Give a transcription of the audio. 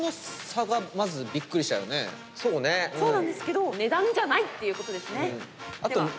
そうなんですけど値段じゃないっていうことですね。